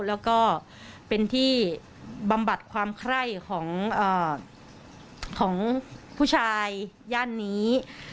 แล้วก็เป็นที่บำบัดความไคร่ของผู้ชายย่านนี้